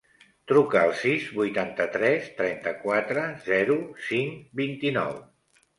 Truca al sis, vuitanta-tres, trenta-quatre, zero, cinc, vint-i-nou.